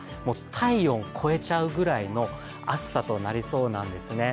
体温超えちゃうぐらいの暑さとなりそうなんですね。